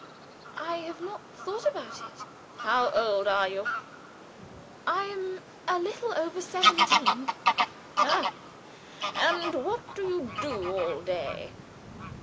"I have not thought about it." "How old are you?" "I am a little over seventeen." "Ah! And what do you do all day?"